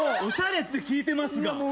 おしゃれって聞いてますが？